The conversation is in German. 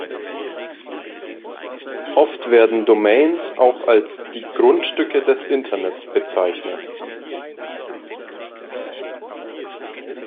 Oft werden Domains auch als die „Grundstücke des Internets“ bezeichnet.